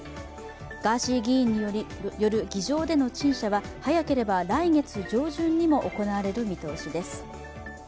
ガーシー議員による議場での陳謝は早ければ来月上旬にも行われる見通しです。